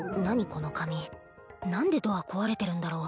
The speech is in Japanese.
この紙何でドア壊れてるんだろ？